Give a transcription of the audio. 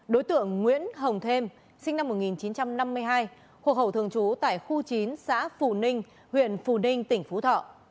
đối tượng nguyễn hồng thêm sinh năm một nghìn chín trăm năm mươi hai hộ khẩu thường trú tại khu chín xã phù ninh huyện phù ninh tỉnh phú thọ